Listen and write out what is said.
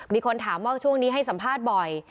มีคนถามว่าช่วงนี้ให้สัมภาษณ์บ่อย